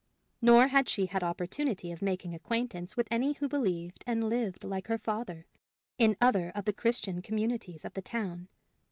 Nor had she had opportunity of making acquaintance with any who believed and lived like her father, in other of the Christian communities of the town.